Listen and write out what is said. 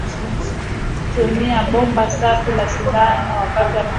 Tumia bomba safi la sindano wakati wa matibabu ya ngamia ili kuwakinga na ugonjwa